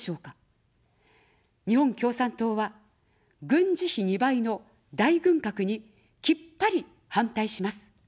日本共産党は、軍事費２倍の大軍拡にきっぱり反対します。